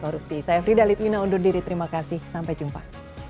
itu saya fridhalid ina undur diri terima kasih sampai jumpa